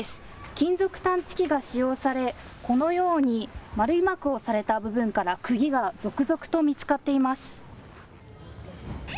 金属探知機が使用されこのように丸いマークをされた部分からくぎが続々と見つかっています。